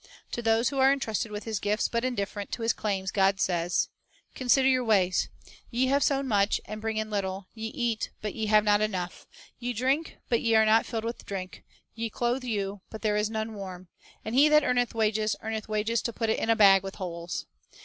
To those who are entrusted with His gifts but indifferent to His claims, God says: — "Consider your ways. Ye have sown much, and bring in little; ye eat, but ye have not enough; ye drink, but ye are not filled with drink; ye clothe you, but there is none warm; and he that earneth wages earneth wages to put it into a bag with holes.